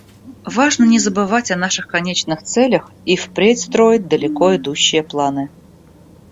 Важно не забывать о наших конечных целях и впредь строить далеко идущие планы.